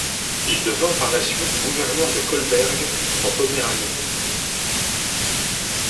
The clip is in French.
Il devint par la suite gouverneur de Kolberg en Poméranie.